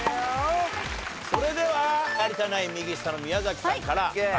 それでは有田ナイン右下の宮崎さんから参りましょう。